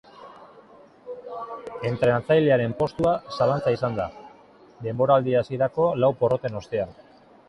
Entrenatzailearen postua zalantza izan da, denboraldi hasierako lau porroten ostean.